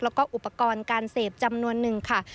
แล้วก็อุปกรณ์การเสพจำนวนหนึ่งค่ะ